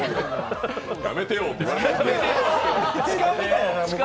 やめてよ！って言われてましたね。